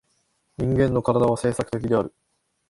人間の身体は制作的である。